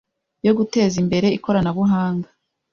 yo guteza imbere Ikoranabuhanga